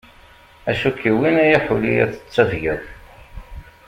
Acu k-iwwin a yaḥuli ad tettafgeḍ!